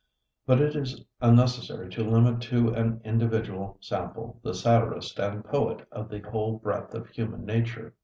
But it is unnecessary to limit to an individual sample the satirist and poet of the whole breadth of human nature.